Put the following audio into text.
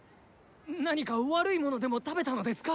何か悪いものでも食べたのですか